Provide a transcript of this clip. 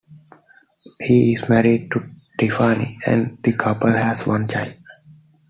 He is married to Tiffany, and the couple has one child.